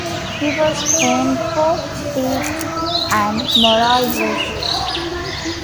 He was famed for "piety and moral virtues".